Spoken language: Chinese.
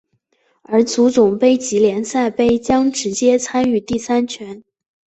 而足总杯及联赛杯将直接参与第三圈。